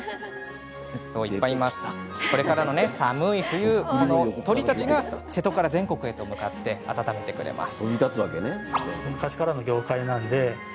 これからの寒い冬、この鳥たちが瀬戸から全国へ向かい温めてくれます。